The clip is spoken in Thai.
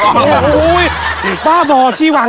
เฮ้ยเหยิบเท้า